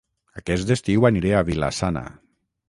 Aquest estiu aniré a Vila-sana